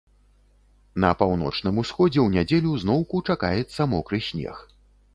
На паўночным усходзе ў нядзелю зноўку чакаецца мокры снег.